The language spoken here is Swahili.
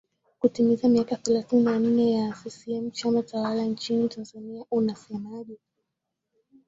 kutimiza miaka thelathini na nne ya ccm chama tawala nchini tanzania unasemaje